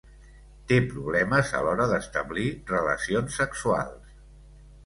Té problemes a l'hora d'establir relacions sexuals.